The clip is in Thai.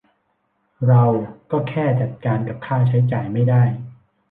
เราก็แค่จัดการกับค่าใช้จ่ายไม่ได้